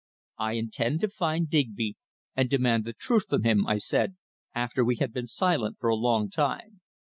"I intend to find Digby, and demand the truth from him," I said after we had been silent for a long time.